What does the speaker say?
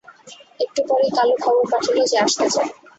একটু পরেই কালু খবর পাঠাল যে আসতে চায়।